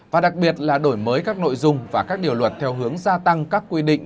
và đặc biệt là đổi mới các nội dung và các điều luật theo hướng gia tăng các quy định